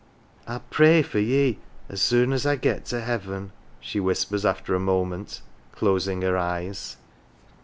"I'll pray for ye as soon as I get to heaven," she whispers after a moment, closing her eyes.